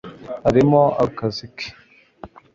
arimo akora akazi ke